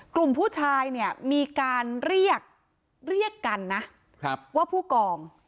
กลุ่มผู้ชายมีการเรียกกันนะว่าผู้กอง